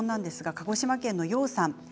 鹿児島県の方からです。